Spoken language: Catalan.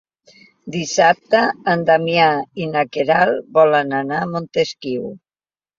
Dissabte en Damià i na Queralt volen anar a Montesquiu.